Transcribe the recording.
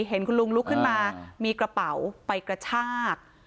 เห็นคุณลุงลุกขึ้นมามีกระเป๋าไปกระชาก